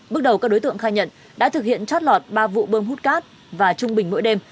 bước đầu các đối tượng khai nhận đã thực hiện trót lọt ba vụ bơm hút cát và trung bình mỗi đêm